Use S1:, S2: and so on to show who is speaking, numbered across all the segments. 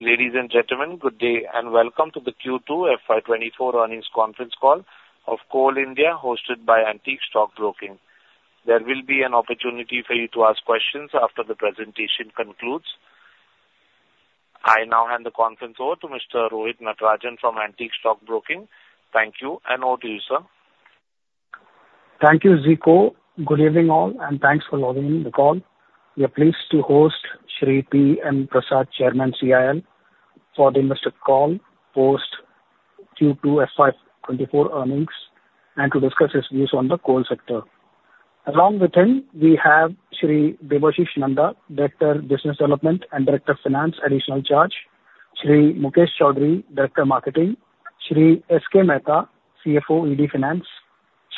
S1: Ladies and gentlemen, good day, and welcome to the Q2 FY 2024 earnings conference call of Coal India, hosted by Antique Stock Broking. There will be an opportunity for you to ask questions after the presentation concludes. I now hand the conference over to Mr. Rohit Natarajan from Antique Stock Broking. Thank you, and over to you, sir.
S2: Thank you, Zico. Good evening, all, and thanks for logging in the call. We are pleased to host Shri P. M. Prasad, Chairman, CIL, for the investor call post Q2 FY24 earnings, and to discuss his views on the coal sector. Along with him, we have Shri Debasish Nanda, Director, Business Development and Director of Finance, Additional Charge, Shri Mukesh Choudhary, Director, Marketing, Shri S. K. Mehta, CFO, ED Finance,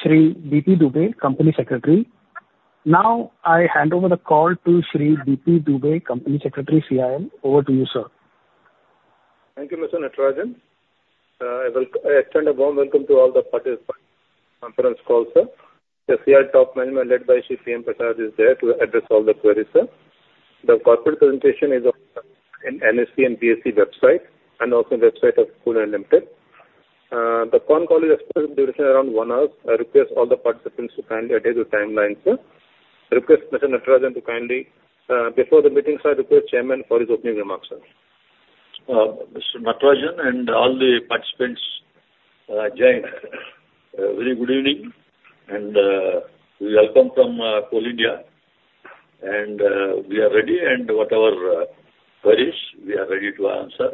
S2: Shri B. P. Dubey, Company Secretary. Now, I hand over the call to Shri B. P. Dubey, Company Secretary, CIL. Over to you, sir.
S3: Thank you, Mr. Natarajan. I extend a warm welcome to all the participants conference call, sir. The CI top management, led by Shri P. M. Prasad, is there to address all the queries, sir. The corporate presentation is on, in NSE and BSE website, and also the website of Coal India Limited. The con call is expected to duration around one hour. I request all the participants to kindly adhere to timeline, sir. Request Mr. Natarajan to kindly, before the meeting, sir, I request chairman for his opening remarks, sir.
S4: Mr. Natarajan and all the participants, joined, very good evening, and, welcome from, Coal India. We are ready, and whatever queries, we are ready to answer.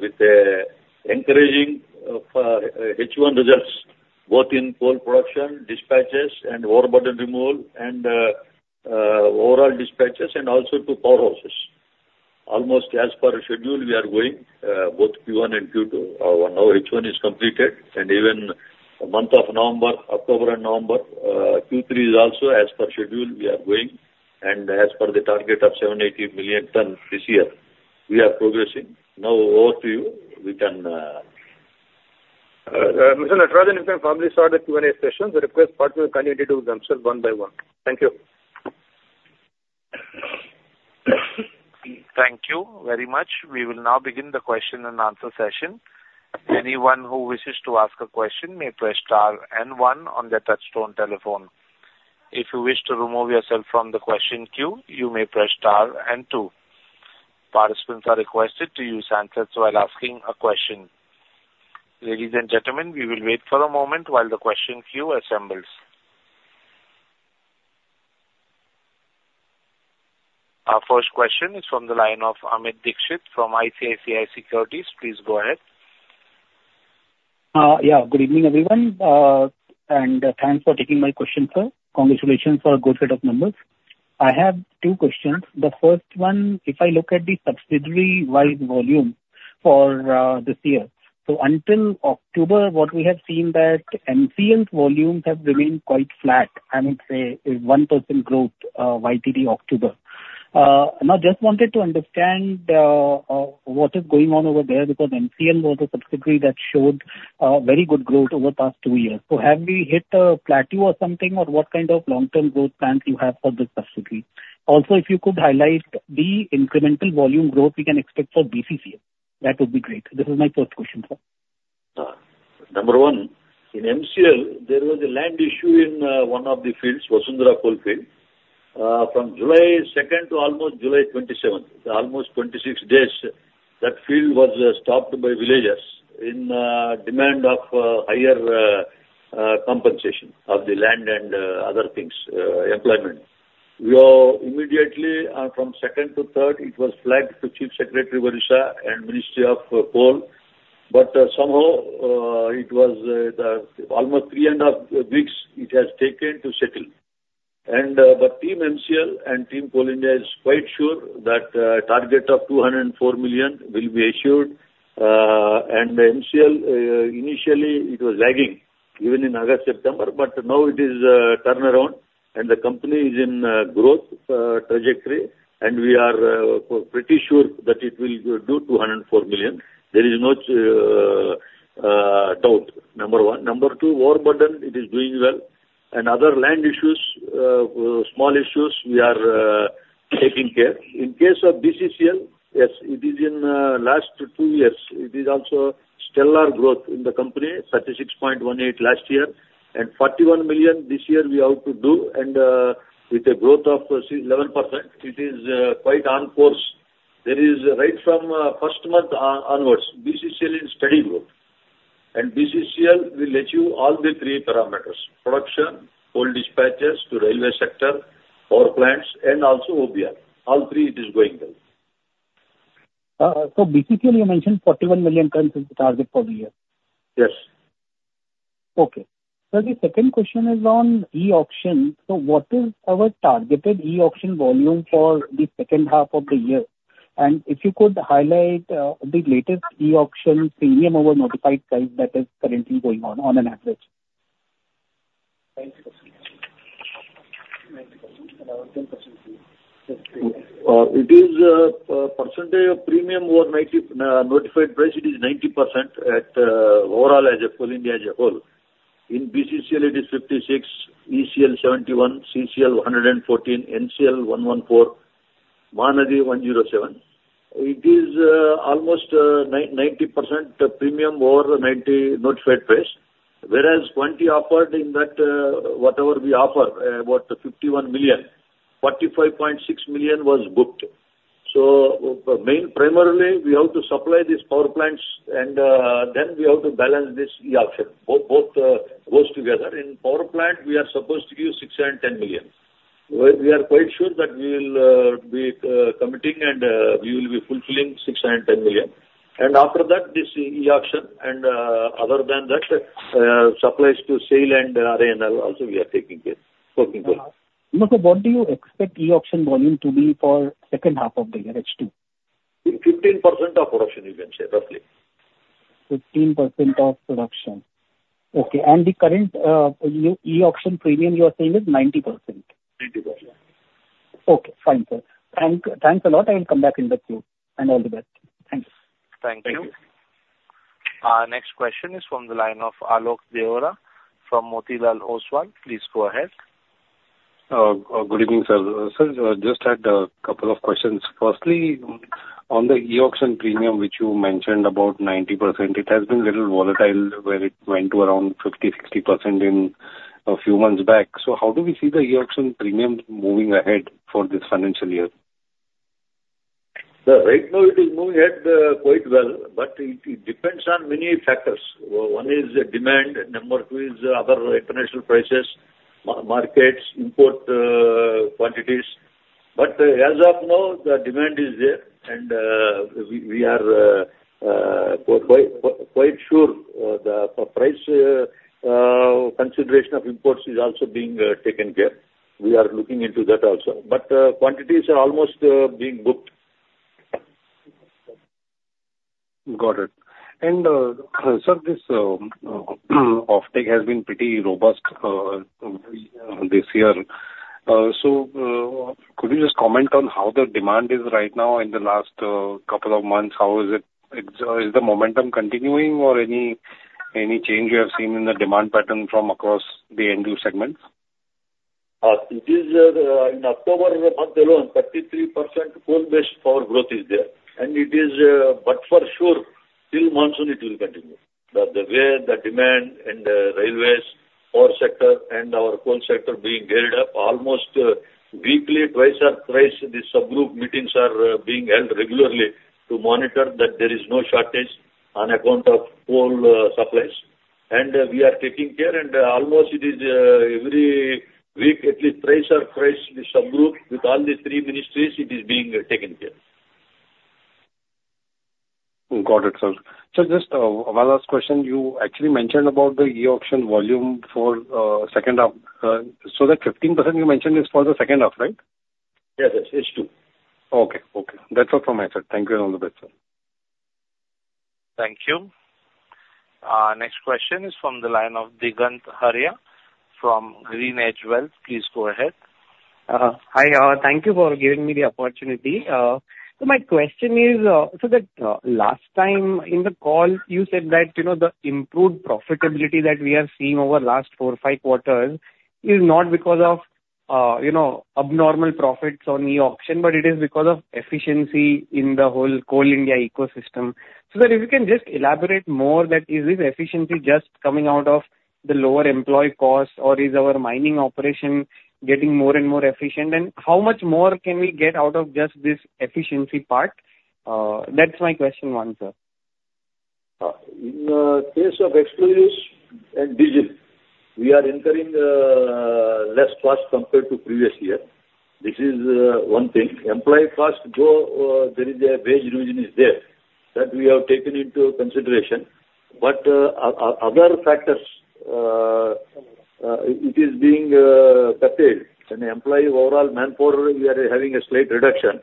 S4: With the encouraging of, H1 results, both in coal production, dispatches, and overburden removal, and, overall dispatches, and also to powerhouses. Almost as per schedule we are going, both Q1 and Q2. Now H1 is completed, and even the month of November, October and November, Q3 is also as per schedule we are going, and as per the target of 78 million ton this year, we are progressing. Now, over to you, we can...
S3: Mr. Natarajan, you can kindly start the Q&A session. We request participants kindly to unmute themselves one by one. Thank you.
S1: Thank you very much. We will now begin the question and answer session. Anyone who wishes to ask a question may press star and one on their touchtone telephone. If you wish to remove yourself from the question queue, you may press star and two. Participants are requested to use answers while asking a question. Ladies and gentlemen, we will wait for a moment while the question queue assembles. Our first question is from the line of Amit Dixit from ICICI Securities. Please go ahead.
S5: Yeah. Good evening, everyone, and thanks for taking my question, sir. Congratulations for a good set of numbers. I have two questions. The first one, if I look at the subsidiary wide volume for this year, so until October, what we have seen that MCL's volumes have remained quite flat, and it's a 1% growth, YTD, October. And I just wanted to understand what is going on over there, because MCL was a subsidiary that showed very good growth over the past two years. So have we hit a plateau or something, or what kind of long-term growth plans you have for this subsidiary? Also, if you could highlight the incremental volume growth we can expect for BCCL. That would be great. This is my first question, sir.
S4: Number 1, in MCL, there was a land issue in one of the fields, Basundhara Coal Field. From July 2 to almost July 27, almost 26 days, that field was stopped by villagers in demand of higher compensation of the land and other things, employment. We all immediately, from 2 to 3, it was flagged to Chief Secretary, Odisha, and Ministry of Coal, but somehow it was the almost three and a half weeks it has taken to settle. But Team MCL and Team Coal India is quite sure that target of 204 million will be assured. And MCL, initially, it was lagging, even in August, September, but now it is turnaround, and the company is in growth trajectory, and we are pretty sure that it will do 204 million. There is no doubt, number one. Number two, overburden, it is doing well. And other land issues, small issues, we are taking care. In case of BCCL, yes, it is in last two years. It is also stellar growth in the company, 36.18 last year, and 41 million this year we have to do, and with a growth of 6%-11%, it is quite on course. There is right from first month onwards, BCCL is steady growth. BCCL will let you all the three parameters: production, coal dispatches to railway sector, power plants, and also OBR. All three, it is going well.
S5: So, BCCL, you mentioned 41 million tons is the target for the year?
S4: Yes.
S5: Okay. Sir, the second question is on e-auction. What is our targeted e-auction volume for the second half of the year? And if you could highlight, the latest e-auction premium over notified price that is currently going on on an average.
S3: 90%. 90%, another 10%.
S4: It is percentage of premium over 90 notified price, it is 90% at overall, as a Coal India as a whole. In BCCL, it is 56; ECL, 71; CCL, 114; NCL, 114; Mahanadi, 107. It is almost 90% premium over notified price. Whereas quantity offered in that, whatever we offer, about 51 million, 45.6 million was booked. So main primarily, we have to supply these power plants, and then we have to balance this e-auction. Both goes together. In power plant, we are supposed to give 610 million. We are quite sure that we will be committing, and we will be fulfilling 610 million. After that, this e-auction, and, other than that, supplies to SAIL and RINL also, we are taking care, working well.
S5: Sir, what do you expect e-auction volume to be for second half of the year, H2?
S4: 15% of production, you can say, roughly.
S5: 15% of production. Okay. And the current e-auction premium you are saying is 90%?
S4: Ninety percent.
S5: Okay. Fine, sir. Thank, thanks a lot. I will come back in the queue. All the best. Thanks.
S1: Thank you.
S4: Thank you.
S1: Our next question is from the line of Alok Deora from Motilal Oswal. Please go ahead.
S6: Good evening, sir. Sir, just had a couple of questions. Firstly, on the e-auction premium, which you mentioned about 90%, it has been little volatile, where it went to around 50%-60% in a few months back. So how do we see the e-auction premium moving ahead for this financial year?
S4: Sir, right now it is moving ahead quite well, but it depends on many factors. One is the demand, number two is other international prices, markets, import quantities. But as of now, the demand is there, and we are quite sure the price consideration of imports is also being taken care. We are looking into that also. But quantities are almost being booked.
S6: Got it. And, sir, this offtake has been pretty robust this year. So, could you just comment on how the demand is right now in the last couple of months? How is it? Is the momentum continuing or any change you have seen in the demand pattern from across the end-user segments?
S4: It is in October month alone, 33% coal-based power growth is there. And it is but for sure, till monsoon, it will continue. The way the demand and railways, core sector, and our coal sector being geared up, almost weekly, twice or thrice, the subgroup meetings are being held regularly to monitor that there is no shortage on account of coal supplies. And we are taking care, and almost it is every week, at least thrice or thrice, the subgroup with all the three ministries, it is being taken care.
S6: Got it, sir. Sir, just one last question. You actually mentioned about the e-auction volume for second half. So that 15% you mentioned is for the second half, right?
S4: Yes, yes, H2.
S6: Okay, okay. That's all from my side. Thank you, and all the best, sir.
S1: Thank you. Next question is from the line of Digant Haria from GreenEdge Wealth. Please go ahead.
S7: Hi, thank you for giving me the opportunity. So my question is, so that last time in the call, you said that, you know, the improved profitability that we are seeing over last four, five quarters is not because of, you know, abnormal profits on e-auction, but it is because of efficiency in the whole Coal India ecosystem. So that if you can just elaborate more, that is this efficiency just coming out of the lower employee costs, or is our mining operation getting more and more efficient? And how much more can we get out of just this efficiency part? That's my question one, sir.
S4: In the case of explosives and diesel, we are incurring less cost compared to previous year. This is one thing. Employee cost, though, there is a wage revision is there, that we have taken into consideration. But other factors, it is being cut down. And employee, overall manpower, we are having a slight reduction.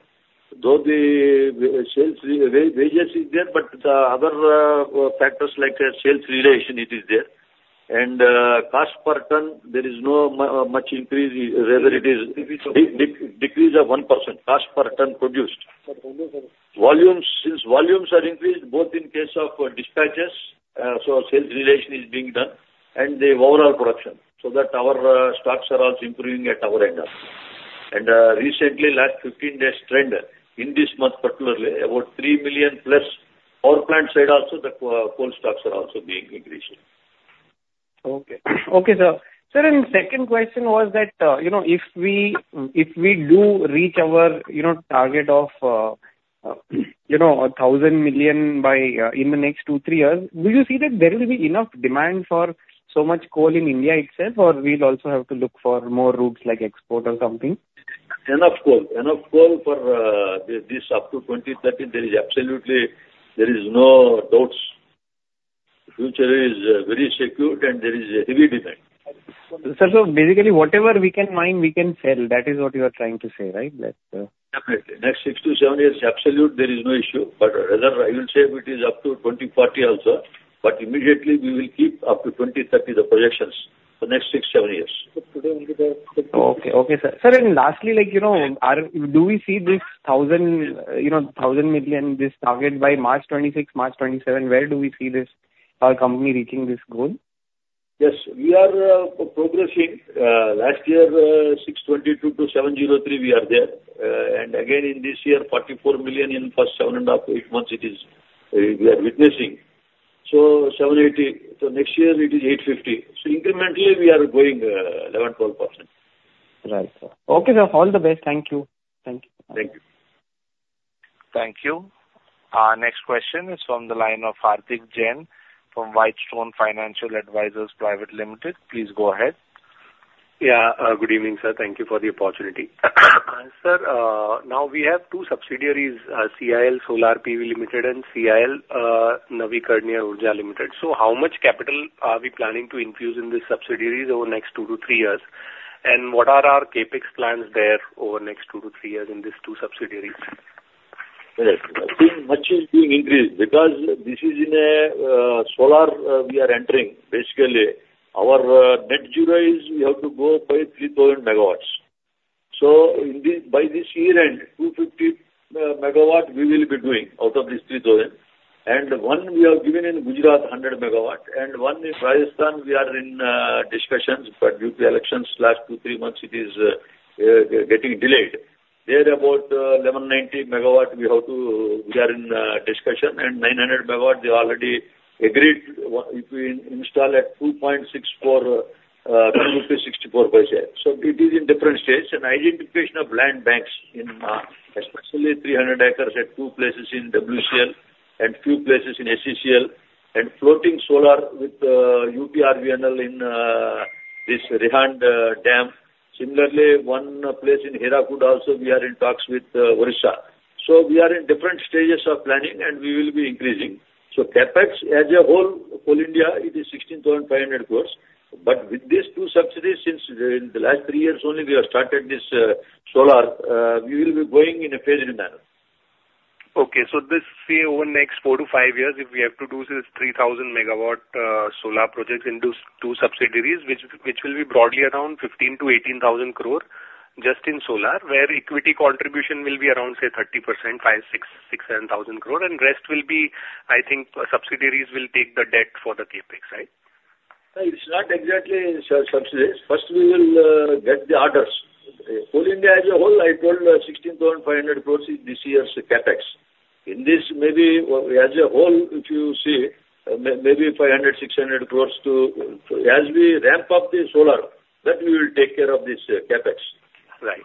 S4: Though the salaries & wages is there, but the other factors like sales realization, it is there. And cost per ton, there is no much increase, rather it is decrease of 1%, cost per ton produced.
S7: Sir, volumes are-
S4: Volumes, since volumes are increased both in case of dispatches, so sales realization is being done, and the overall production, so that our stocks are also improving at our end also. And recently, last 15 days trend, in this month particularly, about 3 billion plus power plant side also, the coal stocks are also being increased.
S7: Okay. Okay, sir. Sir, and second question was that, you know, if we, if we do reach our, you know, target of 1,000 million by in the next 2-3 years, do you see that there will be enough demand for so much coal in India itself, or we'll also have to look for more routes like export or something?
S4: Enough coal. Enough coal for this up to 2030, there is absolutely no doubt. Future is very secured, and there is a heavy demand.
S7: Sir, so basically, whatever we can mine, we can sell. That is what you are trying to say, right? That,
S4: Definitely. Next 6 to 7 years, absolute, there is no issue, but rather, I will say it is up to 2040 also, but immediately we will keep up to 2030, the projections, so next 6, 7 years....
S7: Okay, okay, sir. Sir, and lastly, like, you know, are, do we see this 1,000, you know, 1,000 million, this target by March 2026, March 2027, where do we see this, our company reaching this goal?
S4: Yes, we are progressing. Last year, 622-703, we are there. And again, in this year, 44 million in first 7.5-8 months, it is, we are witnessing. So 780, so next year it is 850. So incrementally, we are going 11%-12%.
S7: Right. Okay, sir. All the best. Thank you. Thank you.
S4: Thank you.
S1: Thank you. Our next question is from the line of Karthik Jain from Whitestone Financial Advisors Private Limited. Please go ahead.
S8: Yeah, good evening, sir. Thank you for the opportunity. Sir, now we have two subsidiaries, CIL Solar PV Limited and CIL Navikarniya Urja Limited. So how much capital are we planning to infuse in these subsidiaries over the next 2-3 years? And what are our CapEx plans there over the next 2-3 years in these two subsidiaries?
S4: Right. I think much is being increased because this is in a solar, we are entering. Basically, our net zero is we have to go by 3,000 megawatts. So in this, by this year end, 250 megawatts we will be doing out of this 3,000. And one we have given in Gujarat, 100 megawatts, and one in Rajasthan we are in discussions, but due to elections last two, three months, it is getting delayed. Thereabout 1,190 megawatts, we have to... We are in discussion, and 900 megawatts, they already agreed with if we install at INR 2.64. So it is in different states. Identification of land banks in, especially 300 acres at 2 places in WCL and few places in SECL, and floating solar with UPRVNL in this Rihand Dam. Similarly, one place in Hirakud also, we are in talks with Odisha. So we are in different stages of planning, and we will be increasing. So CapEx as a whole, Coal India, it is 16,500 crore. But with these two subsidiaries, since in the last 3 years only we have started this solar, we will be going in a phased manner.
S8: Okay. So this, say, over the next 4-5 years, if we have to do this 3,000 MW solar projects in those two subsidiaries, which, which will be broadly around 15,000-18,000 crore, just in solar, where equity contribution will be around, say, 30%, 5, 6, 6, 7 thousand crore, and rest will be, I think, subsidiaries will take the debt for the CapEx, right?
S4: It's not exactly subsidies. First, we will get the orders. Coal India as a whole, I told, 16,500 crore is this year's CapEx. In this, maybe, as a whole, if you see, maybe 500-600 crore to... As we ramp up the solar, that we will take care of this CapEx.
S8: Right.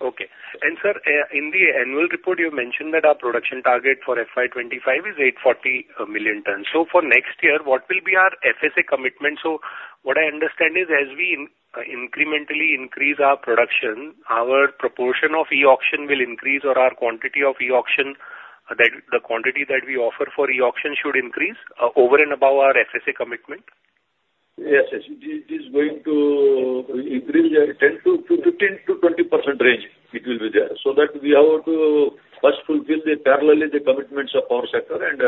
S8: Okay. And sir, in the annual report, you mentioned that our production target for FY 25 is 840 million tons. So for next year, what will be our FSA commitment? So what I understand is, as we incrementally increase our production, our proportion of e-auction will increase or our quantity of e-auction, that the quantity that we offer for e-auction should increase, over and above our FSA commitment?
S4: Yes, yes. It is going to increase 10 to 15-20% range. It will be there, so that we have to first fulfill the parallelly the commitments of our sector, and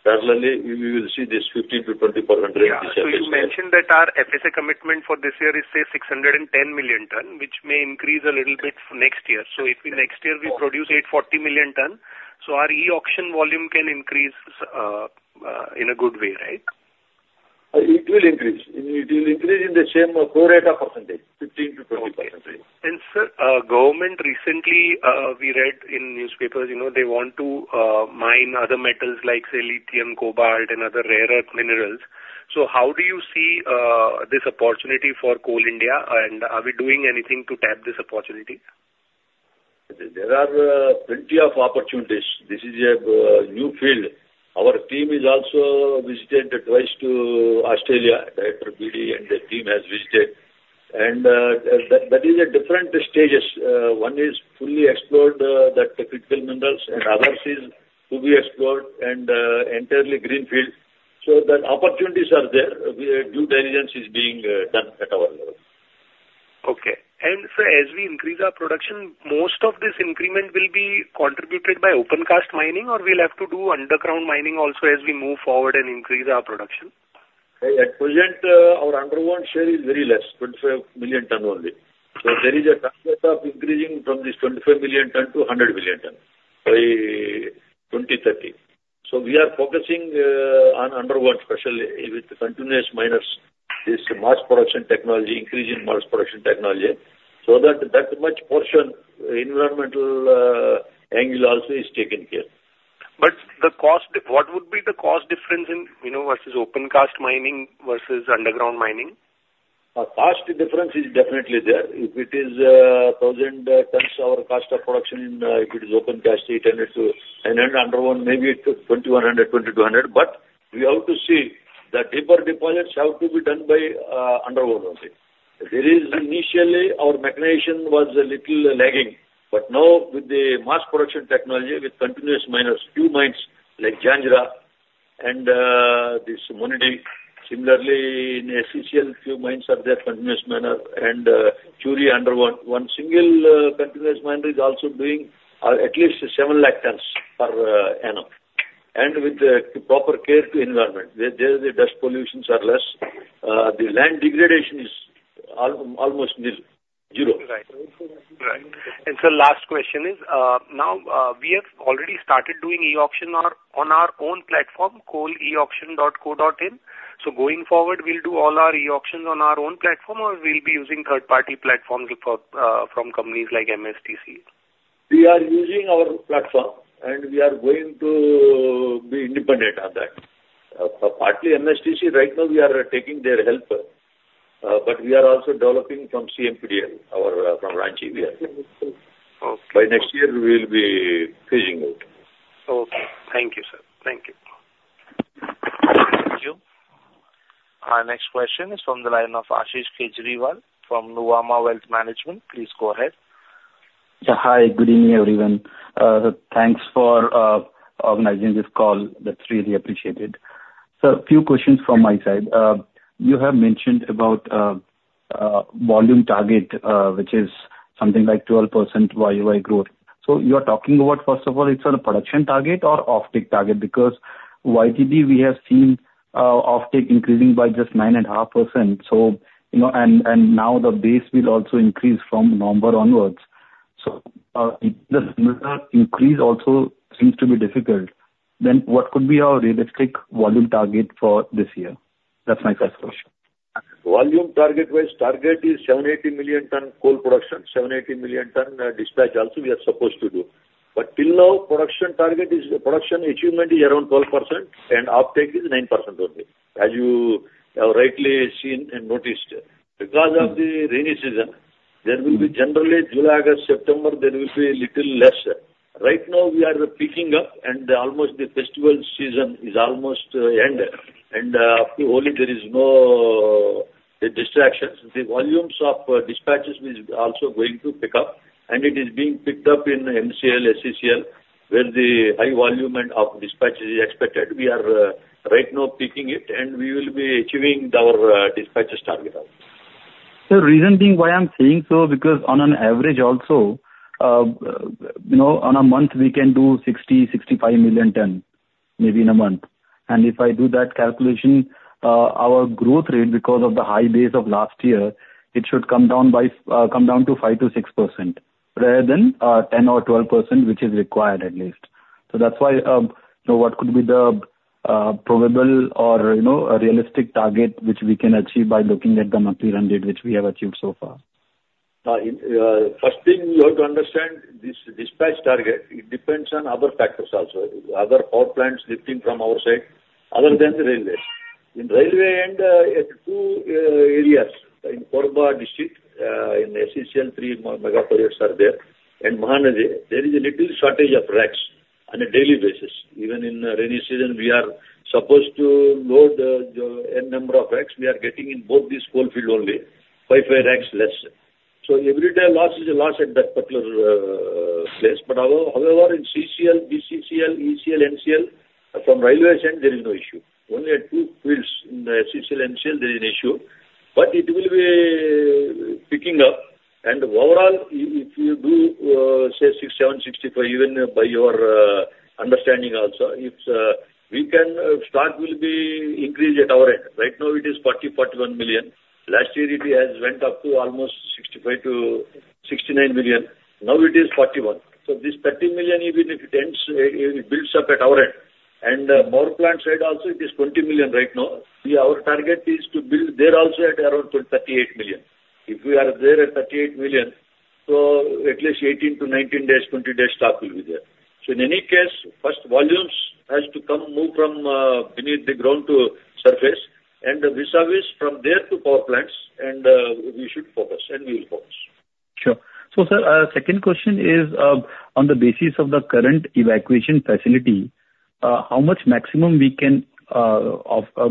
S4: parallelly, we, we will see this 15%-20% increase.
S8: Yeah. So you mentioned that our FSA commitment for this year is, say, 610 million ton, which may increase a little bit next year. So if in next year we produce 840 million ton, so our e-auction volume can increase in a good way, right?
S4: It will increase. It will increase in the same pro rata percentage, 15%-20%.
S8: Okay. And sir, government recently, we read in newspapers, you know, they want to mine other metals like, say, lithium, cobalt, and other rare earth minerals. So how do you see this opportunity for Coal India, and are we doing anything to tap this opportunity?
S4: There are plenty of opportunities. This is a new field. Our team is also visited twice to Australia. Director BD and the team has visited. That is at different stages. One is fully explored, the critical minerals, and others is to be explored and entirely greenfield. So the opportunities are there. We, due diligence is being done at our level.
S8: Okay. Sir, as we increase our production, most of this increment will be contributed by open cast mining, or we'll have to do underground mining also as we move forward and increase our production?
S4: At present, our underground share is very less, 25 million ton only. So there is a target of increasing from this 25 million ton to 100 million ton by 2030. So we are focusing on underground, especially with continuous miners, this mass production technology, increasing mass production technology, so that, that much portion environmental angle also is taken care.
S8: The cost, what would be the cost difference in, you know, versus open cast mining versus underground mining?
S4: Cost difference is definitely there. If it is 1,000 tons, our cost of production, if it is open cast, it ended to 900, underground maybe it took 2,100, 2,200. But we have to see, the deeper deposits have to be done by underground only. There is initially, our mechanization was a little lagging, but now with the mass production technology, with continuous miners, few mines like Jhanjra and this Moonidih. Similarly, in CCEL, few mines are there, continuous miner, and purely underground. One single continuous miner is also doing at least 700,000 tons per annum... and with the proper care to environment. There the dust pollutions are less, the land degradation is almost nil, zero.
S8: Right. Right. Sir, last question is, now, we have already started doing e-auction on our own platform, coaleauction.co.in. So going forward, we'll do all our e-auctions on our own platform, or we'll be using third-party platforms for from companies like MSTC?
S4: We are using our platform, and we are going to be independent on that. Partly MSTC, right now, we are taking their help, but we are also developing from CMPDIL, our from Ranchi there.
S8: Okay.
S4: By next year, we will be phasing out.
S8: Okay. Thank you, sir. Thank you.
S1: Thank you. Our next question is from the line of Ashish Kejriwal from Nuvama Wealth Management. Please go ahead.
S9: Hi. Good evening, everyone. Thanks for organizing this call. That's really appreciated. So a few questions from my side. You have mentioned about volume target, which is something like 12% YOY growth. So you are talking about, first of all, it's on a production target or offtake target? Because YTD, we have seen offtake increasing by just 9.5%. So, you know, and now the base will also increase from November onwards. So, the similar increase also seems to be difficult. Then, what could be our realistic volume target for this year? That's my first question.
S4: Volume target-wise, target is 780 million tons coal production, 780 million tons, dispatch also we are supposed to do. But till now, production target is, production achievement is around 12% and offtake is 9% only, as you have rightly seen and noticed. Because of the rainy season, there will be generally July, August, September, there will be little less. Right now, we are picking up, and almost the festival season is almost end. And, after Holi, there is no, distractions. The volumes of dispatches is also going to pick up, and it is being picked up in MCL, SECL, where the high volume and of dispatch is expected. We are, right now picking it, and we will be achieving our, dispatches target also.
S9: Sir, reason being why I'm saying so, because on an average also, you know, on a month, we can do 60-65 million tons, maybe in a month. And if I do that calculation, our growth rate, because of the high base of last year, it should come down by, come down to 5%-6% rather than, 10% or 12%, which is required at least. So that's why, so what could be the, probable or, you know, a realistic target which we can achieve by looking at the monthly run rate which we have achieved so far?
S4: First thing you have to understand, this dispatch target, it depends on other factors also, other power plants lifting from our side, other than the railway. In railway and at two areas, in Korba district, in SECL, three mega projects are there, and Mahanadi, there is a little shortage of rakes on a daily basis. Even in the rainy season, we are supposed to load n number of rakes. We are getting in both these coal field only, 5 by rakes less. So every day a loss is a loss at that particular place. But however, in CCL, BCCL, ECL, NCL, from railway side, there is no issue. Only at two fields, in the CCL, NCL, there is an issue, but it will be picking up. Overall, if you do say 6, 7, 65, even by your understanding also, it's we can stock will be increased at our end. Right now, it is 40-41 million. Last year, it has went up to almost 65-69 million. Now, it is 41. So this 30 million, even if it ends, it builds up at our end. Power plant side also, it is 20 million right now. We, our target is to build there also at around 38 million. If we are there at 38 million, so at least 18-19 days, 20 days stock will be there. So in any case, first volumes has to come, move from beneath the ground to surface, and vis-a-vis from there to power plants, and we should focus, and we will focus.
S9: Sure. So, sir, second question is, on the basis of the current evacuation facility, how much maximum we can sell?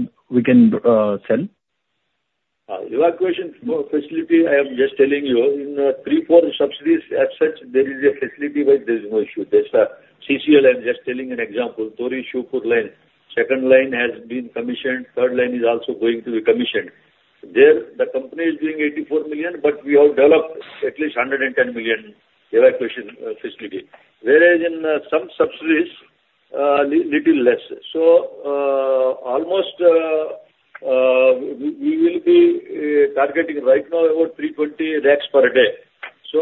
S4: Evacuation facility, I am just telling you, in three, four subsidiaries as such, there is a facility where there is no issue. There's CCL, I'm just telling an example, Tori Shivpur line. Second line has been commissioned, third line is also going to be commissioned. There, the company is doing 84 million, but we have developed at least 110 million evacuation facility. Whereas in some subsidiaries, little less. So, almost, we will be targeting right now about 320 rakes per day. So,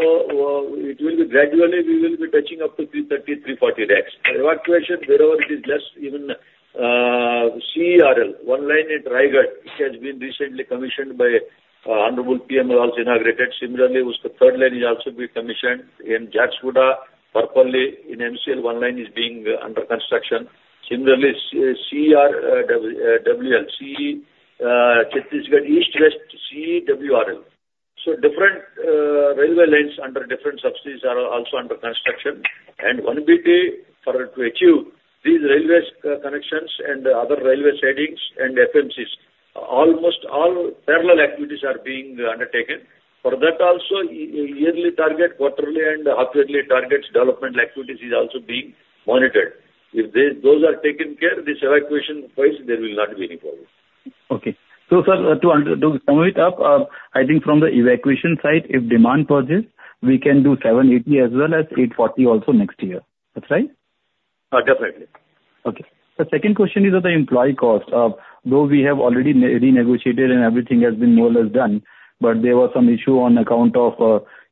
S4: it will be gradually, we will be touching up to 330, 340 rakes. Evacuation, wherever it is less, even SECL, one line in Raigarh, which has been recently commissioned by Honorable PM also inaugurated. Similarly, whose third line is also being commissioned. In Jharsuguda, Barpali, in MCL, one line is being under construction. Similarly, CERL, Chhattisgarh East West, CEWRL. So different, railway lines under different subsidiaries are also under construction. 1 BT for to achieve these railways, connections and other railway settings and FMCs, almost all parallel activities are being undertaken. For that also, yearly target, quarterly and halfway targets, developmental activities is also being monitored. If those are taken care, this evacuation-wise, there will not be any problem....
S9: Okay. So sir, to sum it up, I think from the evacuation side, if demand purchase, we can do 780 as well as 840 also next year. That's right?
S4: Uh, definitely.
S9: Okay. The second question is on the employee cost. Though we have already renegotiated and everything has been more or less done, but there was some issue on account of,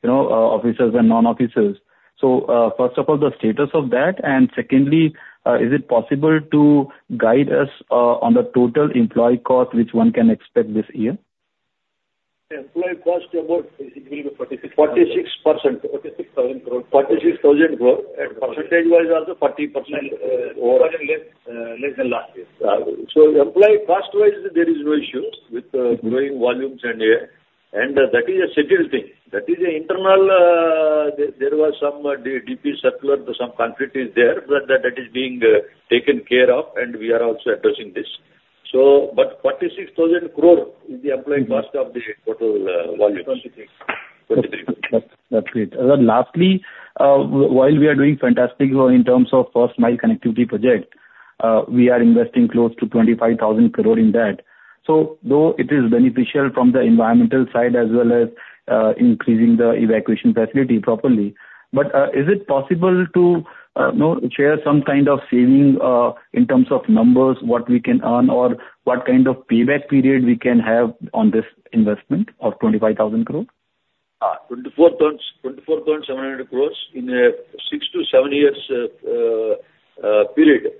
S9: you know, officers and non-officers. So, first of all, the status of that, and secondly, is it possible to guide us on the total employee cost which one can expect this year?
S4: Employee cost about basically 46-
S3: Forty-six percent.
S4: INR 46,000 crore.
S3: INR 46,000 crore.
S4: Percentage-wise, also 40%, or-
S3: Less, less than last year.
S4: So employee cost-wise, there is no issue with growing volumes and yeah. That is a settled thing. That is an internal... There was some DPE circular, some conflict is there, but that is being taken care of, and we are also addressing this. But 46,000 crore is the employee cost of the total volumes.
S9: That's, that's great. Lastly, while we are doing fantastic in terms of First Mile Connectivity Project, we are investing close to 25,000 crore in that. So though it is beneficial from the environmental side as well as increasing the evacuation facility properly, but is it possible to, you know, share some kind of saving in terms of numbers, what we can earn, or what kind of payback period we can have on this investment of 25,000 crore?
S4: 24,000-24,700 crore in a 6-7 years period.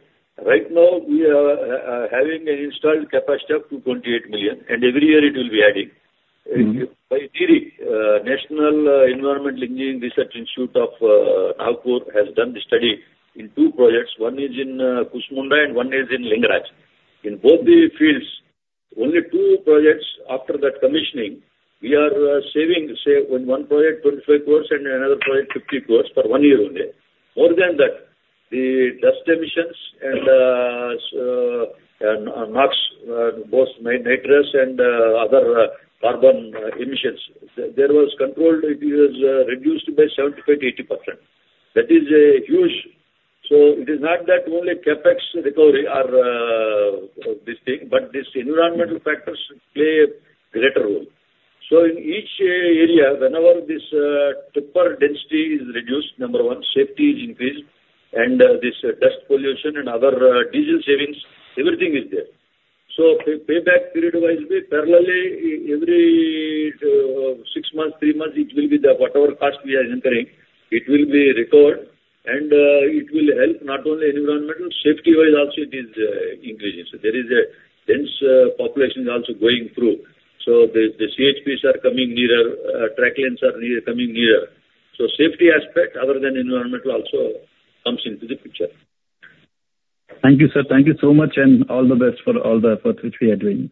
S4: Right now, we are having an installed capacity of 228 million, and every year it will be adding.
S9: Mm-hmm.
S4: By NEERI, National Environmental Engineering Research Institute of Nagpur has done the study in two projects. One is in Kusmunda and one is in Lingaraj. In both the fields, only two projects after that commissioning, we are saving, say, 1 project, 25 crore, and another project, 50 crore for 1 year only. More than that, the dust emissions and so and NOx, both nitrous and other carbon emissions, there was controlled, it is reduced by 70%-80%. That is a huge... So it is not that only CapEx recovery or this thing, but this environmental factors play a greater role. So in each area, whenever this Tipper density is reduced, number one, safety is increased, and this dust pollution and other diesel savings, everything is there. So, payback period wise, we parallelly, every six months, three months, it will be whatever cost we are incurring, it will be recovered, and it will help not only environmental, safety-wise also it is increasing. So there is a dense population also going through. So the CHPs are coming nearer, track lanes are near, coming nearer. So safety aspect other than environmental also comes into the picture.
S9: Thank you, sir. Thank you so much, and all the best for all the efforts which we are doing.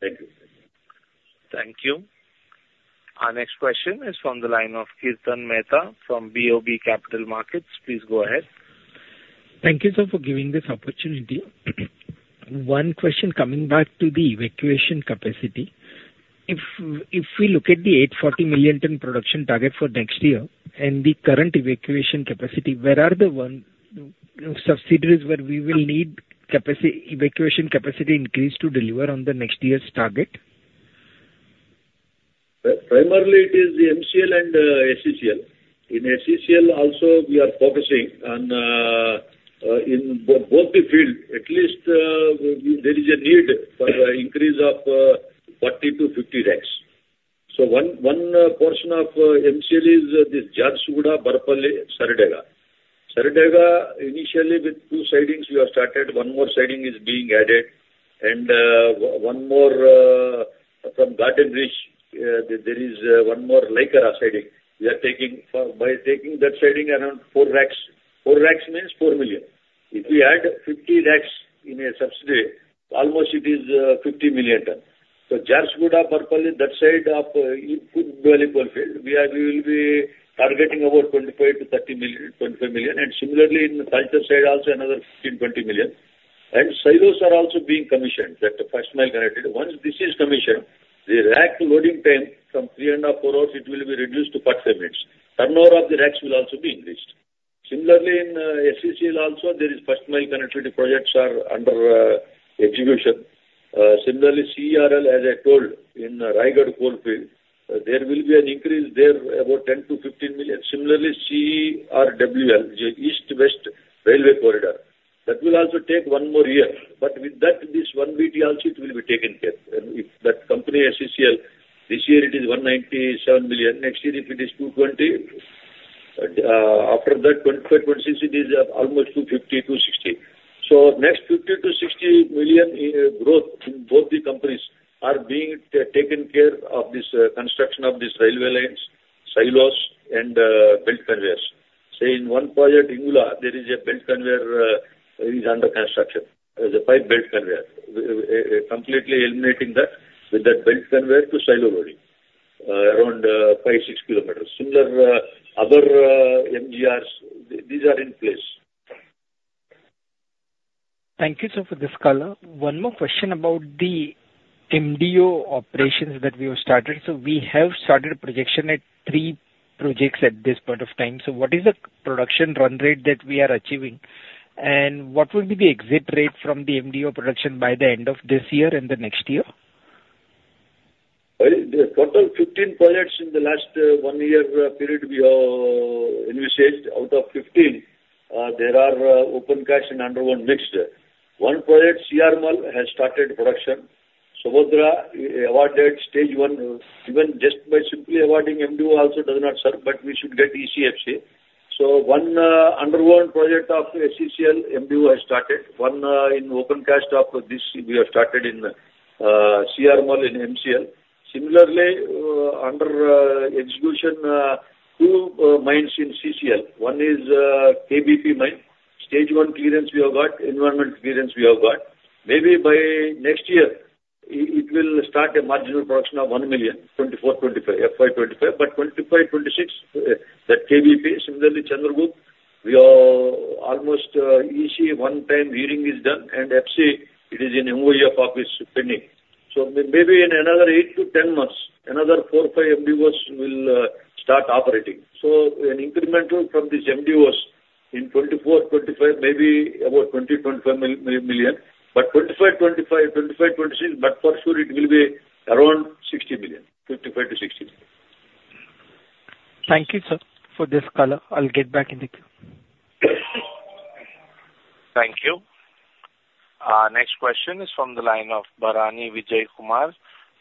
S4: Thank you.
S1: Thank you. Our next question is from the line of Kirtan Mehta from BOB Capital Markets. Please go ahead.
S10: Thank you, sir, for giving this opportunity. One question, coming back to the evacuation capacity. If we look at the 840 million ton production target for next year and the current evacuation capacity, where are the one subsidiaries where we will need capacity, evacuation capacity increase to deliver on the next year's target?
S4: Primarily it is the MCL and SECL. In SECL also, we are focusing on both the field, at least there is a need for an increase of 40-50 rakes. So one portion of MCL is this Jharsuguda-Barpali-Sardega. Sardega, initially with two sidings, we have started. One more siding is being added, and one more from Garjanbahal, there is one more Lajkura siding. We are taking, by taking that siding around 4 rakes. 4 rakes means 4 million. If we add 50 rakes in a subsidiary, almost it is 50 million tons. So Jharsuguda-Barpali, that side of we will be targeting about 25-30 million, 25 million, and similarly, in the Talcher side, also another 15-20 million. And silos are also being commissioned, that First Mile Connectivity. Once this is commissioned, the rack loading time from 3.5, 4 hours, it will be reduced to 45 minutes. Turnover of the rakes will also be increased. Similarly, in SECL also, there is First Mile Connectivity projects are under execution. Similarly, SECL, as I told, in Raigarh coalfield, there will be an increase there about 10-15 million. Similarly, CEWRL, which is East-West Railway Corridor, that will also take one more year. But with that, this 1 BT also, it will be taken care. And if that company, SECL, this year it is 197 million. Next year, if it is 220, after that, 2025, 2026, it is almost 250, 260. So next 50-60 million, growth in both the companies are being taken care of this, construction of this railway lines, silos, and, belt conveyors. Say, in one project, Hingula, there is a belt conveyor, it is under construction. There's a pipe belt conveyor, completely eliminating that, with that belt conveyor to silo body, around, 5-6 kilometers. Similar, other, MGRs, these are in place.
S10: Thank you, sir, for this call. One more question about the MDO operations that we have started. So we have started production at 3 projects at this point of time. So what is the production run rate that we are achieving? And what will be the exit rate from the MDO production by the end of this year and the next year?
S4: Well, the total 15 projects in the last one year period, we all initiated. Out of 15, there are open cast and under one mixed. One project, Siarmal, has started production. Subhadra awarded stage one. Even just by simply awarding MDO also does not serve, but we should get EC & FC. So one, under one project of CCL, MDO has started. One in open cast of this we have started in Siarmal in MCL. Similarly, under execution, two mines in CCL. One is Kotre-Basantpur mine. Stage one clearance, we have got. Environment clearance, we have got. Maybe by next year, it will start a marginal production of 1 million, 2024-2025, FY 2025, but 2025-2026, that KBP. Similarly, Chandragupt, we are almost EC one time hearing is done, and FC, it is in MOEF office pending. So maybe in another 8-10 months, another 4 or 5 MDOs will start operating. So an incremental from this MDOs in 2024-2025, maybe about 20-25 million. But 2025-2026, but for sure it will be around 60 million, 55-60 million.
S10: Thank you, sir, for this call. I'll get back in the queue.
S1: Thank you. Next question is from the line of Bharani Vijayakumar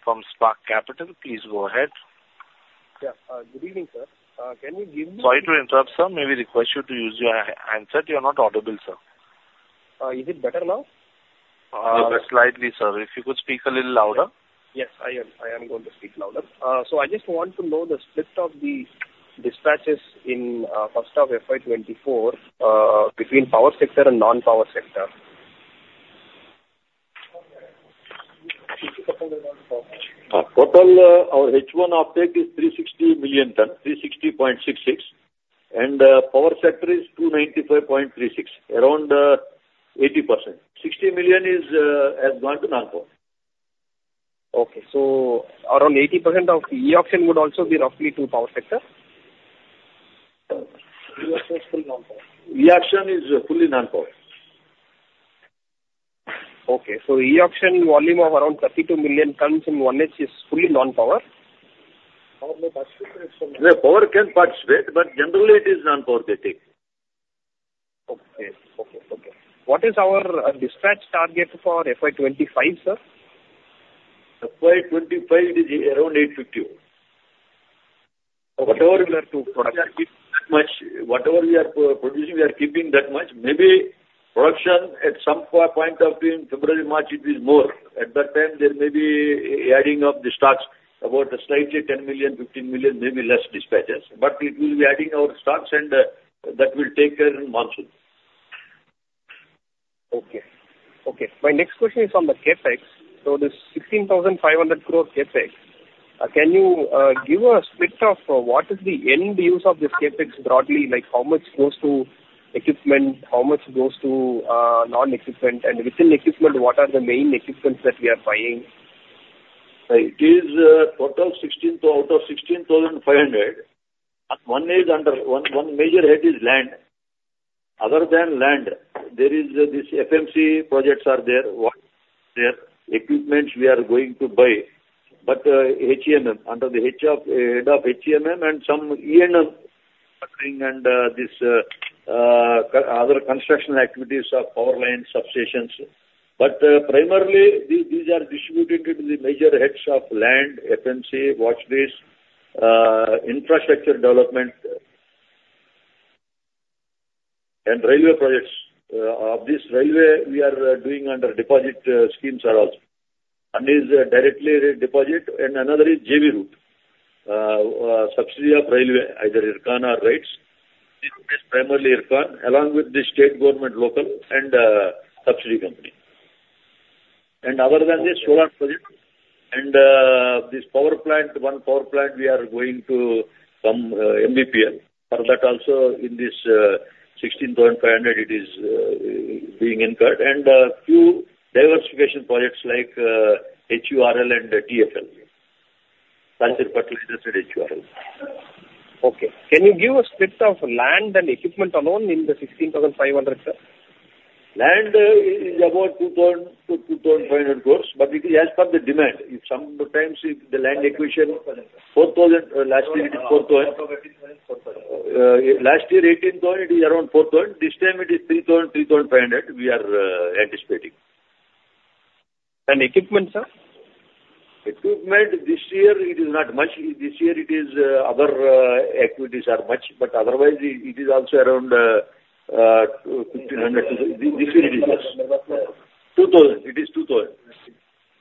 S1: from Spark Capital. Please go ahead.
S11: Yeah. Good evening, sir. Can you give me-
S1: Sorry to interrupt, sir. May we request you to use your handset? You're not audible, sir.
S11: Is it better now?
S1: Slightly, sir. If you could speak a little louder.
S11: Yes, I am. I am going to speak louder. So I just want to know the split of the dispatches in first half of FY 24 between power sector and non-power sector.
S4: Total, our H1 offtake is 360 million ton, 360.66. Power sector is 295.36, around 80%. 60 million has gone to non-power.
S11: Okay. So around 80% of e-auction would also be roughly to power sector?
S4: E-auction is fully non-power.
S11: Okay, so e-auction volume of around 32 million tons in 1H is fully non-power?
S4: The power can purchase, but generally it is non-power they take.
S11: Okay. Okay, okay. What is our dispatch target for FY 25, sir?
S4: FY 2025, it is around 851.
S11: Whatever we have to produce-
S4: That much, whatever we are producing, we are keeping that much. Maybe production at some point of view, in February, March, it is more. At that time, there may be adding of the stocks, about a slightly 10 million, 15 million, maybe less dispatches. But it will be adding our stocks, and that will take care in monsoon.
S11: Okay. Okay. My next question is on the CapEx. So this 16,500 crore CapEx, can you, give a split of what is the end use of this CapEx broadly? Like, how much goes to equipment, how much goes to, non-equipment, and within equipment, what are the main equipments that we are buying?
S4: It is total 16 out of 16,500. One is under... One, one major head is land. Other than land, there is this FMC projects are there, what their equipments we are going to buy. But, HEMM, under the H of, head of HEMM and some E&M suffering and, this, other construction activities of power line substations. But, primarily, these, these are distributed into the major heads of land, FMC, watch this, infrastructure development, and railway projects. Of this railway, we are doing under deposit, schemes are also. One is directly deposit and another is JV route. Subsidy of railway, either IRCON or RITES. It is primarily IRCON, along with the state government, local, and, subsidiary company. Other than this, solar project, and this power plant, one power plant we are going to come, MBPL. For that also, in this 16,500, it is being incurred. And few diversification projects like HURL and TFL, fertilizer, fertilizers at HURL.
S11: Okay. Can you give a split of land and equipment alone in the 16,500, sir?
S4: Land is about 2,000-2,500 crore, but it is as per the demand. If sometimes if the land acquisition-
S11: Four thousand.
S4: 4,000. Last year, it is 4,000.
S11: Four thousand.
S4: Last year, 18,000, it is around 4,000. This time it is 3,000, 3,500, we are anticipating.
S11: Equipment, sir?
S4: Equipment, this year it is not much. This year it is, other activities are much, but otherwise it, it is also around 1,500. This year it is less.
S3: Two thousand.
S4: 2000. It is 2000.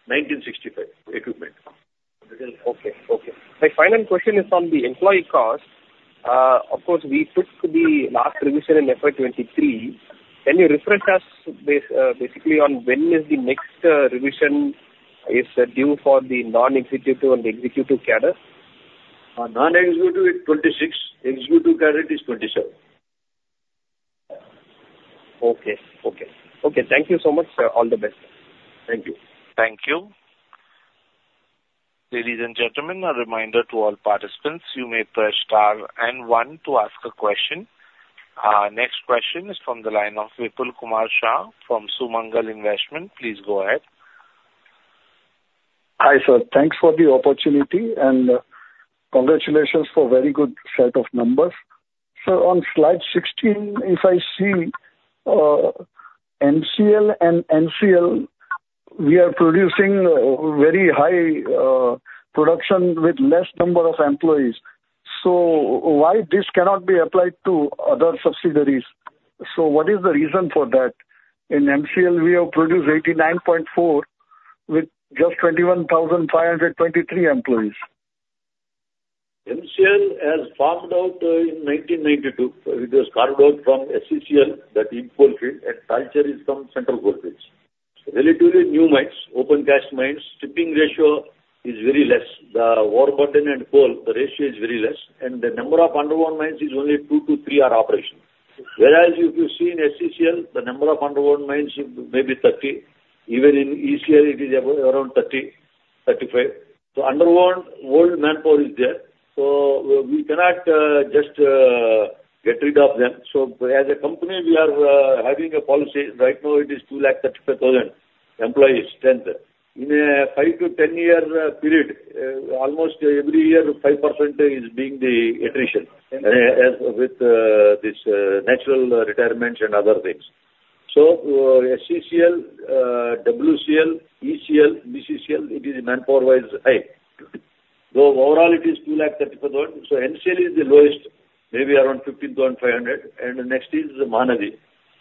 S4: 1965, equipment.
S11: Okay. Okay. My final question is on the employee cost. Of course, we took the last revision in FY 2023. Can you refresh us basically on when is the next revision is due for the non-executive and the executive cadre?
S4: Non-executive is 26, executive cadre is 27....
S11: Okay, okay. Okay, thank you so much, sir. All the best. Thank you.
S1: Thank you. Ladies and gentlemen, a reminder to all participants, you may press star and one to ask a question. Next question is from the line of Vipul Kumar Shah from Sumangal Investment. Please go ahead.
S12: Hi, sir. Thanks for the opportunity, and, congratulations for very good set of numbers. So on slide 16, if I see, MCL and NCL, we are producing, very high, production with less number of employees. So why this cannot be applied to other subsidiaries? So what is the reason for that? In MCL, we have produced 89.4 with just 21,523 employees.
S4: MCL has passed out in 1992. It was carved out from SECL, that important field, and the culture is from Central Coalfields. Relatively new mines, open cast mines, stripping ratio is very less. The overburden and coal, the ratio is very less, and the number of underground mines is only 2-3 are operational. Whereas if you see in SECL, the number of underground mines is maybe 30. Even in ECL, it is around 30-35. So underground, old manpower is there, so we cannot just get rid of them. So as a company, we are having a policy. Right now, it is 235,000 employees strength. In a 5-10 year period, almost every year, 5% is being the attrition as with this natural retirements and other things. So, SECL, WCL, ECL, BCCL, it is manpower-wise high. So overall it is 235,000. So MCL is the lowest, maybe around 15,500, and the next is Mahanadi.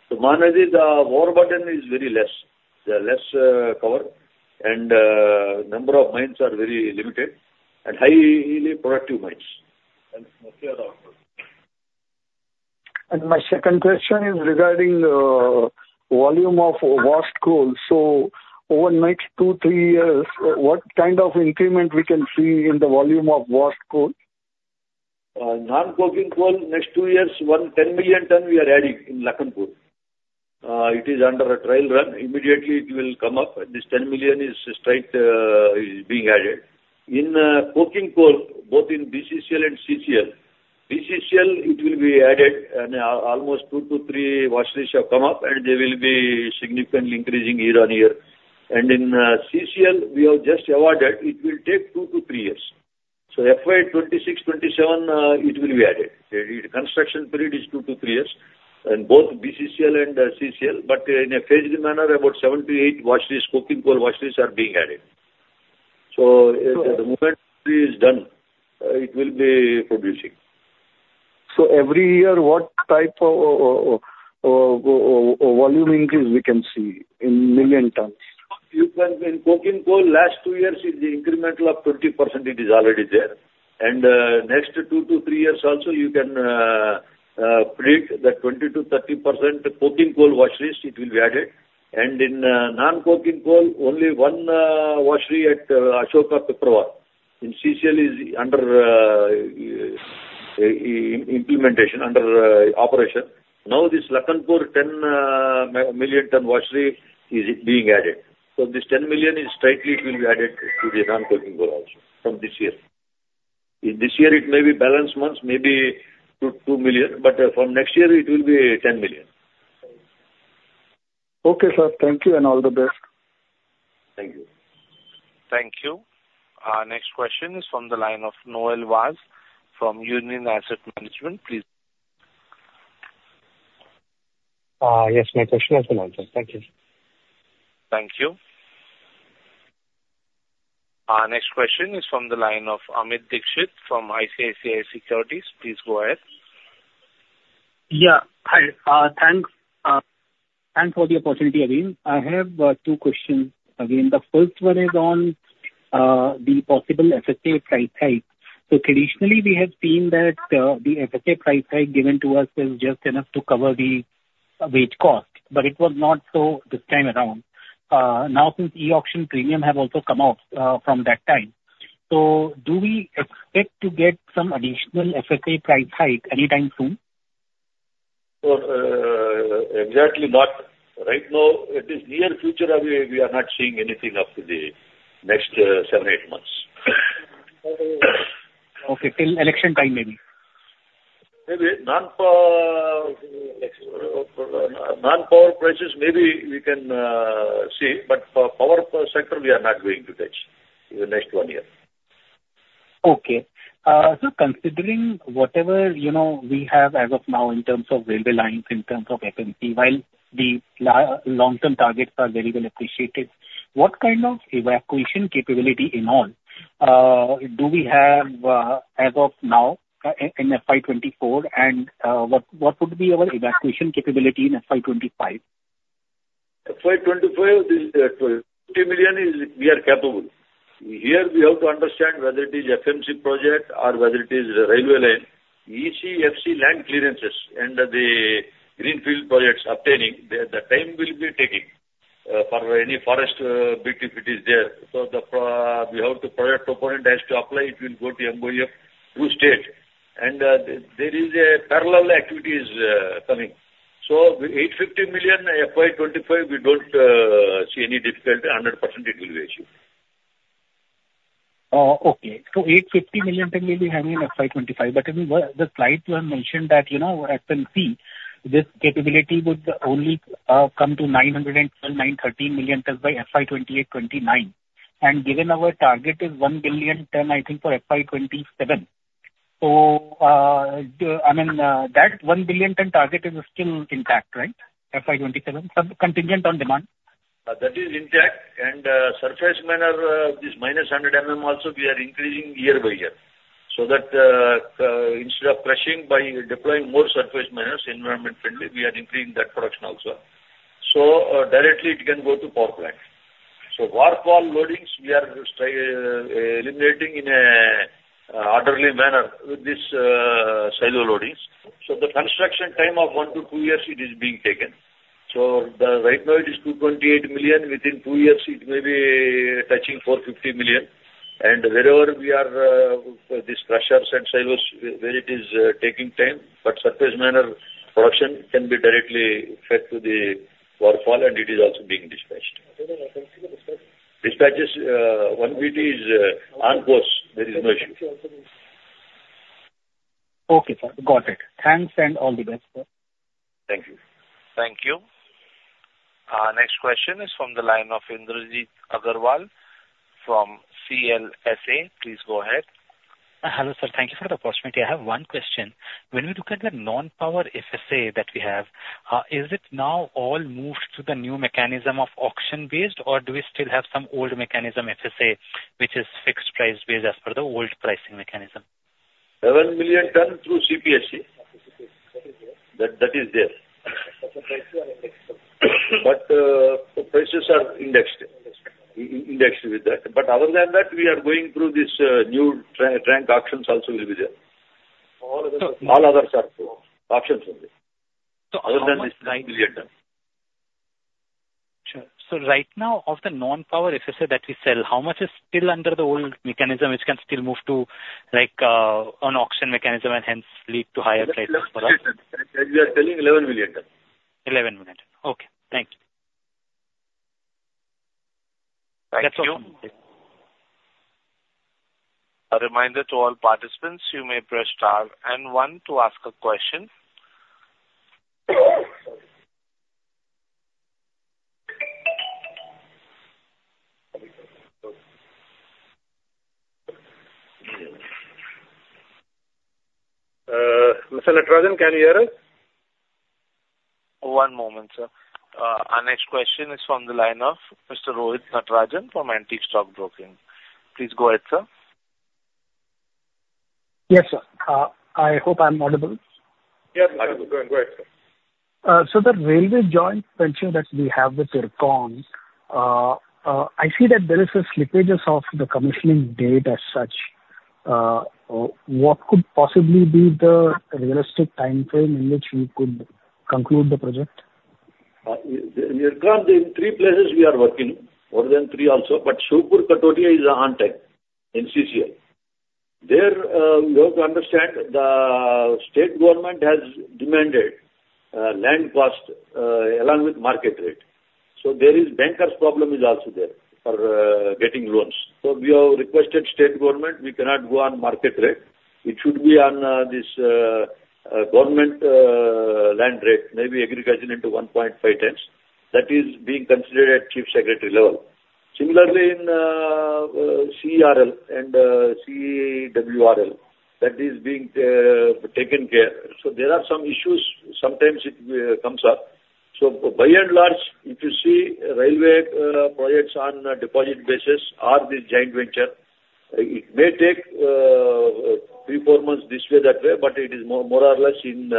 S4: So Mahanadi, the overburden is very less. They are less cover, and number of mines are very limited and highly productive mines.
S12: My second question is regarding volume of washed coal. Over next 2-3 years, what kind of increment we can see in the volume of washed coal?
S4: Non-coking coal, next 2 years, 10 million tons we are adding in Lakhanpur. It is under a trial run. Immediately it will come up. This 10 million is straight, is being added. In, coking coal, both in BCCL and CCL. BCCL, it will be added, and almost 2-3 washeries have come up, and they will be significantly increasing year-on-year. And in, CCL, we have just awarded, it will take 2-3 years. So FY 2026, 2027, it will be added. The construction period is 2-3 years in both BCCL and CCL, but in a phased manner, about 7-8 washeries, coking coal washeries are being added. So the moment it is done, it will be producing.
S12: Every year, what type of volume increase we can see in million tons?
S4: You can, in coking coal, last 2 years is the incremental of 20%, it is already there. Next 2 to 3 years also, you can predict that 20%-30% coking coal washeries, it will be added. And in non-coking coal, only one washery at Ashok Piparwar. In CCL is under implementation, under operation. Now, this Lakhanpur 10 million ton washery is being added. So this 10 million is straightly, it will be added to the non-coking coal also from this year. In this year, it may be balance months, maybe 2 million, but from next year, it will be 10 million.
S12: Okay, sir. Thank you, and all the best.
S4: Thank you.
S1: Thank you. Our next question is from the line of Noel Vaz from Union Asset Management. Please.
S13: Yes, my question has been answered. Thank you.
S1: Thank you. Our next question is from the line of Amit Dixit from ICICI Securities. Please go ahead.
S5: Yeah. Hi, thanks, thanks for the opportunity again. I have, two questions again. The first one is on, the possible FSA price hike. So traditionally, we have seen that, the FSA price hike given to us was just enough to cover the wage cost, but it was not so this time around. Now, since e-auction premium have also come off, from that time, so do we expect to get some additional FSA price hike anytime soon?
S4: Exactly not right now. It is near future, we are not seeing anything up to the next 7-8 months.
S5: Okay. Till election time, maybe.
S4: Maybe. Non-power, non-power prices, maybe we can see, but for power sector, we are not going to touch in the next one year.
S5: Okay. So considering whatever, you know, we have as of now in terms of railway lines, in terms of FMC, while the long-term targets are very well appreciated, what kind of evacuation capability in all, do we have, as of now in FY 2024, and, what would be our evacuation capability in FY 2025?
S4: FY 2025, 20 million is we are capable. Here, we have to understand whether it is FMC project or whether it is railway line. EC, FC land clearances and the greenfield projects obtaining, the time will be taking for any forest bit, if it is there. So the proponent has to apply, it will go to MOEF, through state. And there is parallel activities coming. So the 850 million FY 2025, we don't see any difficulty. 100% it will be achieved.
S5: Okay. So 850 million tons will be having in FY 2025, but in the slides you have mentioned that, you know, at NTPC, this capability would only come to 912-913 million tons by FY 2028-2029. And given our target is 1 billion tons, I think, for FY 2027. So the, I mean, that 1 billion tons target is still intact, right? FY 2027, subject contingent on demand.
S4: That is intact, and surface miner, this minus 100 mm also, we are increasing year by year. So that, instead of crushing by deploying more surface miners, environment friendly, we are increasing that production also. So, directly it can go to power plant. So Wharf wall loadings, we are try eliminating in a orderly manner with this, silo loadings. So the construction time of 1-2 years, it is being taken. So the, right now it is 228 million. Within 2 years, it may be touching 450 million. And wherever we are, this crushers and silos, where it is taking time, but surface miner production can be directly fed to the wharf wall, and it is also being dispatched.
S5: Thank you for dispatch.
S4: Dispatches, one with is on course. There is no issue.
S5: Okay, sir. Got it. Thanks and all the best, sir.
S4: Thank you.
S1: Thank you. Our next question is from the line of Indrajit Agarwal from CLSA. Please go ahead.
S14: Hello, sir. Thank you for the opportunity. I have one question: When we look at the non-power FSA that we have, is it now all moved to the new mechanism of auction-based, or do we still have some old mechanism FSA, which is fixed price based as per the old pricing mechanism?
S4: 11 million tons through CPSE.
S14: Okay, CPSE. That is there.
S4: That is there.
S3: But the prices are indexed.
S4: But, the prices are indexed.
S3: Indexed.
S4: Indexed with that. But other than that, we are going through this new trend. Auctions also will be there.
S3: All other-
S4: All others are through auctions only.
S14: So other than-
S4: This 9 million ton.
S14: Sure. So right now, of the non-power FSA that we sell, how much is still under the old mechanism, which can still move to, like, an auction mechanism and hence lead to higher prices per ton?
S4: As we are telling, 11 million tons.
S14: 11 million. Okay, thank you.
S1: Thank you.
S14: That's all.
S1: A reminder to all participants, you may press star and one to ask a question.
S4: Mr. Natarajan, can you hear us?
S1: One moment, sir. Our next question is from the line of Mr. Rohit Natarajan from Antique Stock Broking. Please go ahead, sir.
S2: Yes, sir. I hope I'm audible?
S4: Yes, audible. Go ahead, sir.
S2: So, the railway joint venture that we have with IRCON, I see that there is a slippage of the commissioning date as such. What could possibly be the realistic timeframe in which we could conclude the project?
S4: The IRCON, the 3 places we are working, more than 3 also, but Shivpur-Kathautia is on time in CCA. There, you have to understand, the state government has demanded, land cost, along with market rate. So there is bankers' problem is also there for, getting loans. So we have requested state government, we cannot go on market rate. It should be on, this, government, land rate, maybe aggregation into 1.5 times. That is being considered at chief secretary level. Similarly, in, CCL and, WCL, that is being, taken care. So there are some issues, sometimes it, comes up. So by and large, if you see railway projects on a deposit basis or the joint venture, it may take 3, 4 months this way, that way, but it is more or less in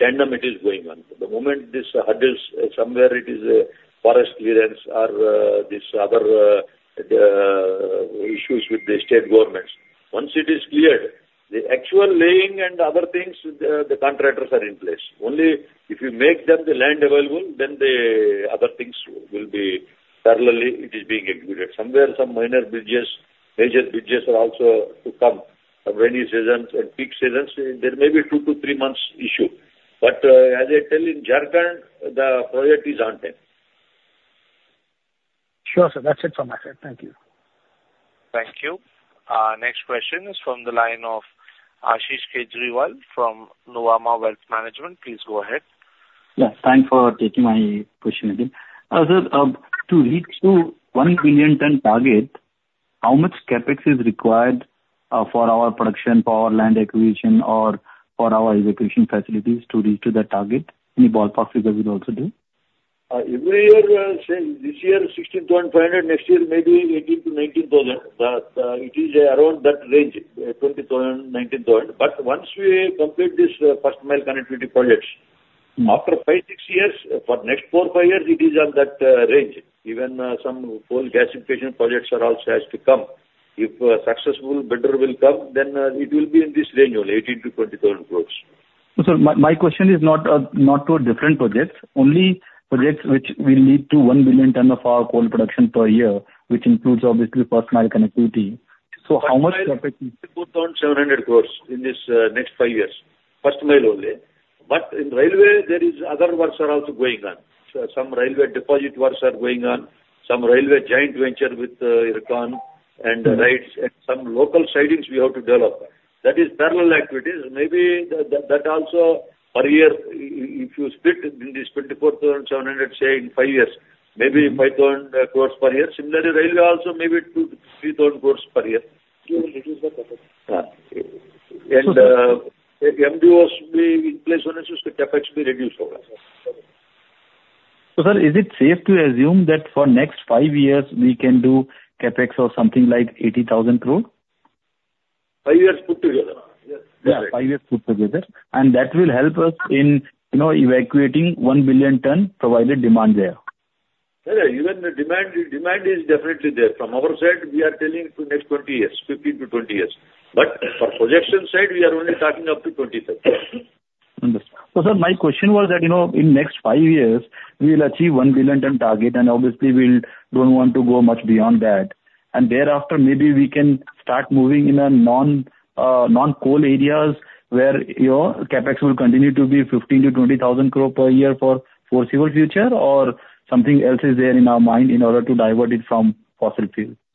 S4: tandem it is going on. The moment this hurdle, somewhere it is a forest clearance or this other issues with the state governments. Once it is cleared, the actual laying and other things, the contractors are in place. Only if you make them the land available, then the other things will be parallelly executed. Somewhere, some minor bridges, major bridges are also to come. From rainy seasons and peak seasons, there may be 2-3 months issue. But as I tell you, in Jharkhand, the project is on time.
S2: Sure, sir. That's it from my side. Thank you.
S1: Thank you. Next question is from the line of Ashish Kejriwal from Nuvama Wealth Management. Please go ahead.
S9: Yeah, thanks for taking my question again. Sir, to reach to 1 billion ton target, how much CapEx is required, for our production, for our land acquisition, or for our evacuation facilities to reach to that target? Any ballpark figure will also do.
S4: Every year, say, this year, 16,500 crore, next year maybe 18,000-19,000 crore. The, the, it is around that range, 20,000 crore, 19,000 crore. But once we complete this, first mile connectivity projects, after five, six years, for next four, five years, it is on that, range. Even, some coal gasification projects are also has to come. If a successful bidder will come, then, it will be in this range only, 18,000-20,000 crore....
S9: So my question is not toward different projects, only projects which will lead to 1 billion ton of our coal production per year, which includes obviously First Mile Connectivity. So how much?
S4: 4,700 crore in this next five years. First Mile only. But in railway, there is other works are also going on. So some railway deposit works are going on, some railway joint venture with IRCON and RITES, and some local sidings we have to develop. That is parallel activities. Maybe that also per year, if you split in this 24,700 crore, say, in five years, maybe 5,000 crore per year. Similarly, railway also maybe 2,000-3,000 crore per year.
S3: You will reduce the CapEx.
S4: Yeah.
S9: So, sir-
S4: If MDOs should be in place, so the CapEx be reduced over.
S9: Sir, is it safe to assume that for next five years we can do CapEx of something like 80,000 crore?
S4: 5 years put together?
S9: Yeah, five years put together. And that will help us in, you know, evacuating 1 billion ton, provided demand there.
S4: Sir, even the demand, demand is definitely there. From our side, we are telling to next 20 years, 15-20 years. But for projection side, we are only talking up to 2027.
S9: Understood. So, sir, my question was that, you know, in next five years we will achieve 1 billion ton target, and obviously we'll don't want to go much beyond that. And thereafter, maybe we can start moving in a non, non-coal areas, where, your CapEx will continue to be 15,000-20,000 crore per year for foreseeable future, or something else is there in our mind in order to divert it from fossil fuel?
S4: Sir, for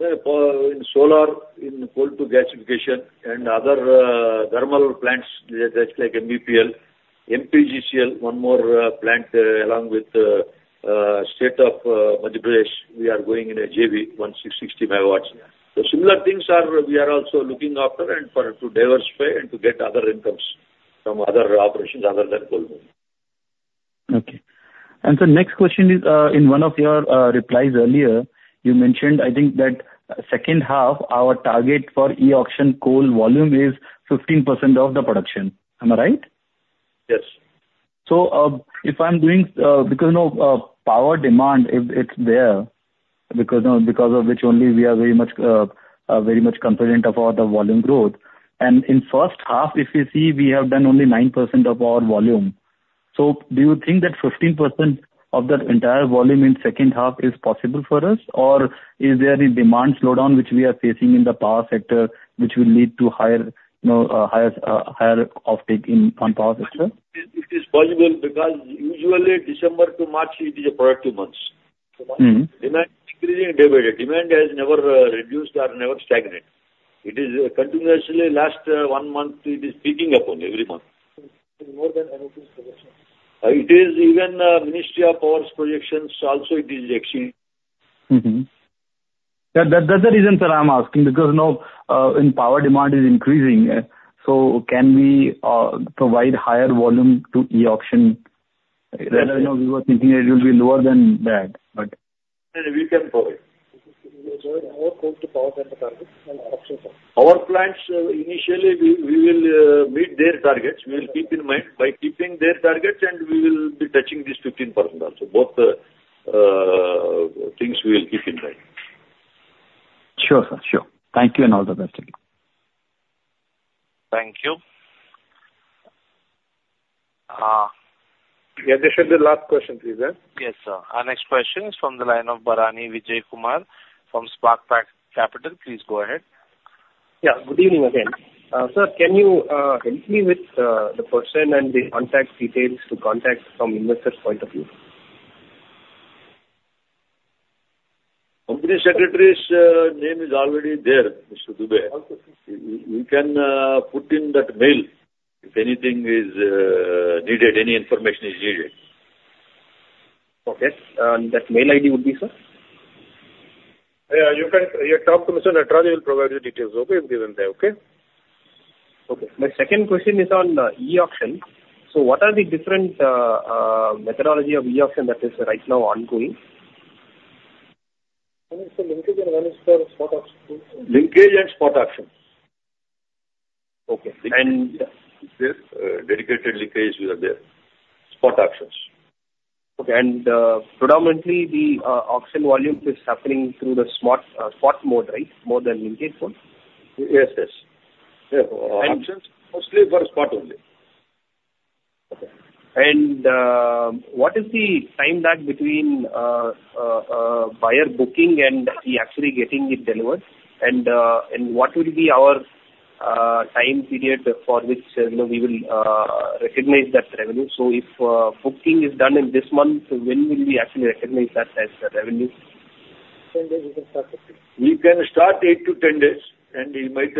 S4: in solar, in coal to gasification and other thermal plants, just like MBPL, MPPGCL, one more plant along with state of Madhya Pradesh, we are going in a JV, 660 megawatts. So similar things are, we are also looking after and for it to diversify and to get other incomes from other operations other than coal.
S9: Okay. And so next question is, in one of your replies earlier, you mentioned, I think, that second half, our target for e-auction coal volume is 15% of the production. Am I right?
S4: Yes.
S9: So, because, you know, power demand, it's there, because, because of which only we are very much, very much confident about the volume growth. In first half, if you see, we have done only 9% of our volume. So do you think that 15% of that entire volume in second half is possible for us, or is there any demand slowdown which we are facing in the power sector, which will lead to higher, you know, higher, higher offtake in, on power sector?
S4: It is possible because usually December to March, it is a productive months.
S9: Mm-hmm.
S4: Demand increasing day by day. Demand has never reduced or never stagnated. It is continuously last one month, it is picking up on every month.
S9: More than anything's projection.
S4: It is even Ministry of Power's projections. Also, it is actually.
S9: Mm-hmm. That, that, that's the reason that I'm asking, because, you know, in power demand is increasing, so can we provide higher volume to e-auction? You know, we were thinking it will be lower than that, but...
S4: Yeah, we can provide.
S9: More coal to power than the target and auction power.
S4: Our plants, initially, we will meet their targets. We will keep in mind. By keeping their targets, and we will be touching this 15% also. Both, things we will keep in mind.
S9: Sure, sir. Sure. Thank you, and all the best to you.
S1: Thank you.
S4: Yeah, this is the last question, please, yeah?
S1: Yes, sir. Our next question is from the line of Bharani Vijayakumar from Spark Capital. Please go ahead.
S11: Yeah, good evening again. Sir, can you help me with the person and the contact details to contact from investor's point of view?
S4: Company Secretary's name is already there, Mr. Dubey.
S11: Okay.
S4: You can put in that mail if anything is needed, any information is needed.
S11: Okay, and that mail ID would be, sir?
S4: Yeah, you can. You talk to Mr. Natarajan; he will provide you the details. Okay, he's given there, okay?
S11: Okay. My second question is on e-auction. So what are the different methodology of e-auction that is right now ongoing? One is the linkage and one is the spot auction.
S4: Linkage and spot auctions.
S11: Okay, and-
S4: Yes, dedicated linkage are there. Spot auctions.
S11: Okay, and predominantly the auction volume is happening through the spot mode, right? More than linkage one.
S4: Yes, yes. Yeah, auctions mostly for spot only.
S11: Okay. And, what is the time lag between, buyer booking and he actually getting it delivered? And, and what will be our, time period for which, you know, we will, recognize that revenue? So if, booking is done in this month, when will we actually recognize that as the revenue?
S3: 10 days you can start it.
S4: We can start 8-10 days, and we might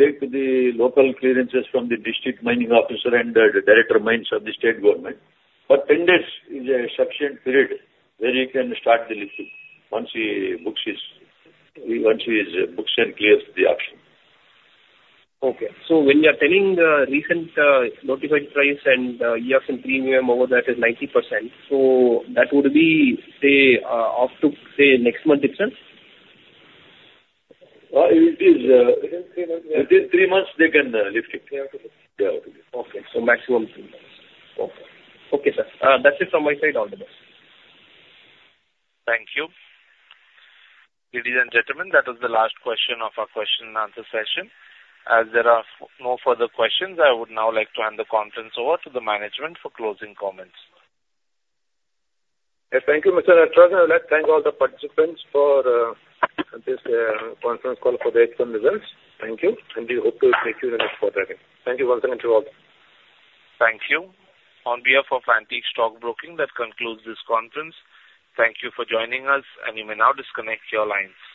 S4: take the local clearances from the District Mining Officer and the Director of Mines of the state government. But 10 days is a sufficient period where you can start the lifting once he books and clears the auction.
S11: Okay. So when you are telling, recent, notified price and, e-auction premium over that is 90%, so that would be, say, up to, say, next month itself?
S4: It is...
S3: Within three months, yeah.
S4: Within 3 months, they can lift it.
S5: Yeah.
S4: Yeah.
S11: Okay. So maximum three months.
S4: Okay.
S11: Okay, sir. That's it from my side. All the best.
S1: Thank you. Ladies and gentlemen, that was the last question of our question and answer session. As there are no further questions, I would now like to hand the conference over to the management for closing comments.
S4: Yeah. Thank you, Mr. Natarajan. I would like to thank all the participants for this conference call for the H1 results. Thank you, and we hope to speak to you the next quarter again. Thank you once again to all.
S1: Thank you. On behalf of Antique Stock Broking, that concludes this conference. Thank you for joining us, and you may now disconnect your lines.